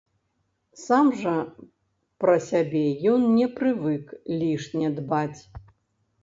Сам жа пра сябе ён не прывык лішне дбаць.